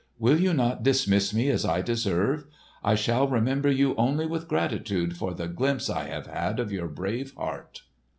Will you not dismiss me, as I deserve? I shall remember you only with gratitude for the glimpse I have had of your brave heart."